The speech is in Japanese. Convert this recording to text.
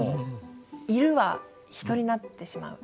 「いる」は「人」になってしまう。